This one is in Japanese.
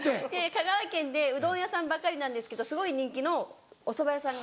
香川県でうどん屋さんばっかりなんですけどすごい人気のおそば屋さんが。